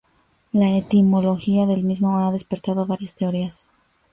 La etimología del mismo ha despertado varias teorías.